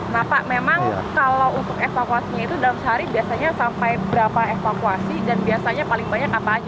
nah pak memang kalau untuk evakuasinya itu dalam sehari biasanya sampai berapa evakuasi dan biasanya paling banyak apa aja